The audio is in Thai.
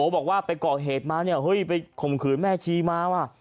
บอกว่าไปก่อเหตุมาเนี่ยเฮ้ยไปข่มขืนแม่ชีมาว่ะ